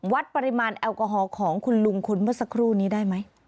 วัดปริมาณแอลกอฮอลของคุณลุงคนเมื่อสักครู่นี้ได้ไหม